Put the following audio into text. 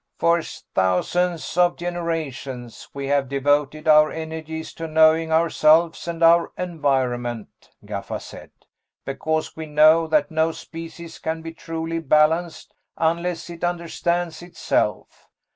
"For thousands of generations, we have devoted our energies to knowing ourselves and our environment," Gaffa said, "because we know that no species can be truly balanced unless it understands itself.